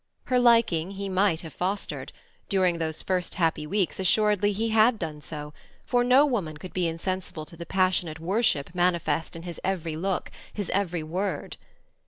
Her liking he might have fostered; during those first happy weeks, assuredly he had done so, for no woman could be insensible to the passionate worship manifest in his every look, his every word.